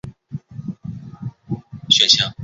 早期美国的电灯制造商使用互不兼容的不同底座。